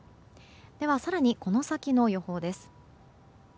では更にこの先の予報です。